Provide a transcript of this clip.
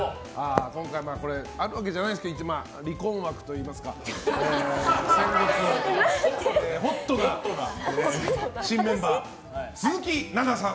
今回もあるわけじゃないですが一応、離婚枠といいますかホットな新メンバー鈴木奈々さん